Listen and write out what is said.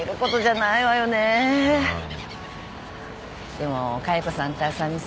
でも加代子さんとあさみさん